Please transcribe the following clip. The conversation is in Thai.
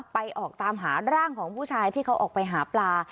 ออกตามหาร่างของผู้ชายที่เขาออกไปหาปลา